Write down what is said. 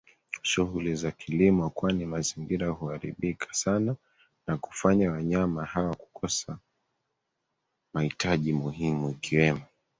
shughuli za kilimo kwani mazingira huaribika sana nakufanya wanyama hawa kukosa mahitaji muhimu ikiwemo